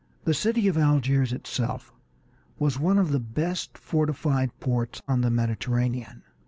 The city of Algiers itself was one of the best fortified ports on the Mediterranean.